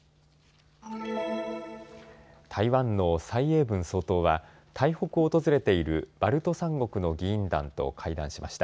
台湾の蔡英文総統は台北を訪れているバルト３国の議員団と会談しました。